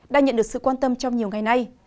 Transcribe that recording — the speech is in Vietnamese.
đang nhận được sự quan tâm trong nhiều ngày nay